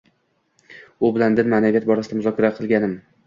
u bilan din, ma'naviyat borasida muzokara qilganim